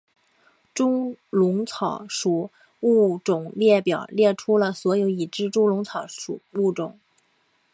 猪笼草属物种列表列出了所有已知的猪笼草属物种。